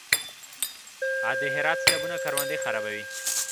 د هرات سیلابونه کروندې خرابوي؟